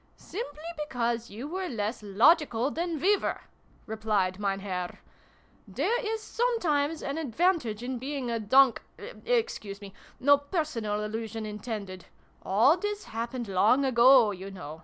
" Simply because you were less logical than we were," replied Mein Herr ".There is sometimes an advantage in being a donk Excuse me ! No personal allusion intended. All this happened long ago, you know